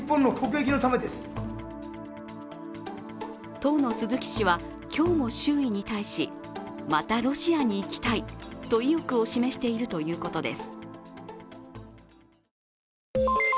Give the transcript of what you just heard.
当の鈴木氏は今日も周囲に対し、またロシアに行きたいと意欲を示しているということです。